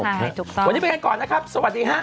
วันนี้ไปกันก่อนนะครับสวัสดีฮะ